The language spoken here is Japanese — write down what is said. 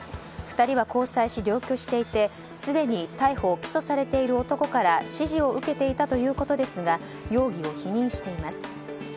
２人は交際し、同居していてすでに逮捕・起訴されている男から指示を受けていたということですが容疑を否認しています。